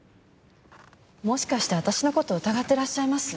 もしかして私の事疑ってらっしゃいます？